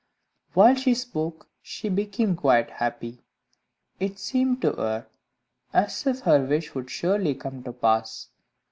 While she spoke, she became quite happy; it seemed to her as if her wish would surely come to pass.